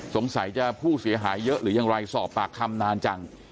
สงสัยจะผู้เสียหายเยอะหรือยังไรสอบปากคำนานจัง